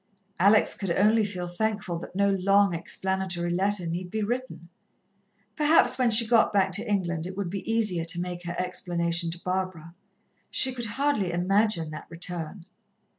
Alex could only feel thankful that no long, explanatory letter need be written. Perhaps when she got back to England it would be easier to make her explanation to Barbara. She could hardly imagine that return.